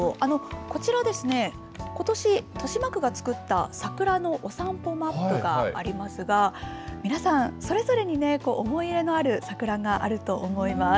こちら、ことし豊島区が作った桜のお散歩マップがありますが、皆さん、それぞれにね、思い入れのある桜があると思います。